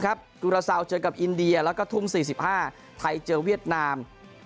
กุราเซาเจอกับอินเดียแล้วก็ทุ่ม๔๕ไทยเจอเวียดนาม